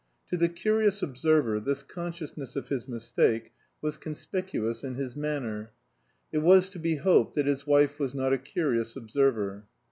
To the curious observer this consciousness of his mistake was conspicuous in his manner. (It was to be hoped that his wife was not a curious observer.)